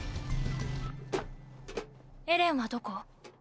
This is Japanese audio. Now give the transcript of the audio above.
エレンはどこ？